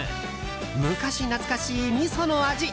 昔懐かしい、みその味。